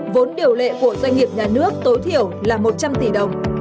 vốn điều lệ của doanh nghiệp nhà nước tối thiểu là một trăm linh tỷ đồng